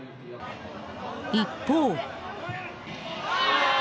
一方。